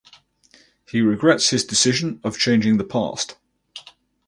He regrets his decision of changing the past.